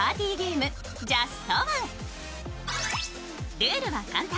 ルールは簡単。